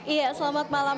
iya selamat malam